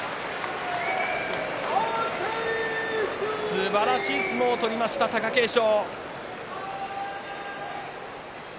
すばらしい相撲を取りました貴景勝。